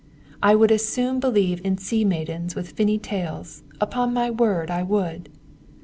I would as soon believe in sea maidens with finny tails upon my word I would.'